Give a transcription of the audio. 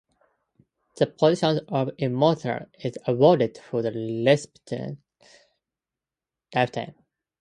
The position of "immortal" is awarded for the recipient's lifetime.